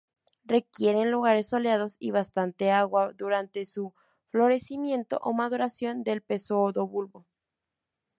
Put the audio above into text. Requieren lugares soleados y bastante agua durante su florecimiento o maduración del pseudobulbo.